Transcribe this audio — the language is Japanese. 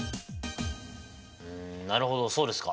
なるほどそうですか。